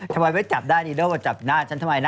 ชาใบนี้จับได้นิโนธิ์ว่าจับหน้าชั้นทะมาย